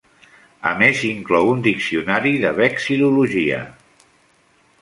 A més inclou un diccionari de vexil·lologia.